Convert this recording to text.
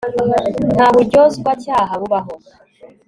nta buryozwacyaha bubaho